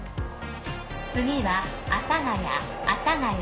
次は阿佐ケ谷阿佐ケ谷。